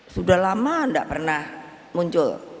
sudah lama tidak pernah muncul